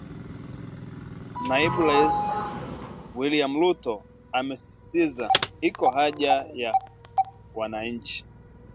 Naibu wa Rais William Ruto amesisitiza iko haja ya wananchi